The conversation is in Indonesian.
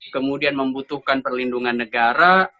kemudian membutuhkan perlindungan negara